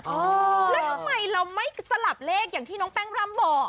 แล้วทำไมเราไม่สลับเลขอย่างที่น้องแป้งร่ำบอก